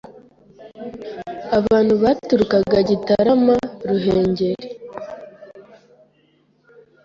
abantu baturukaga Gitarama, Ruhengeri